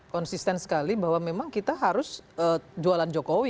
konsisten sekali bahwa memang kita harus jualan jokowi